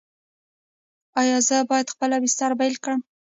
ایا زه باید خپله بستر بیله کړم؟